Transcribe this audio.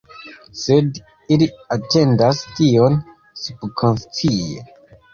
Sed ili atendas tion subkonscie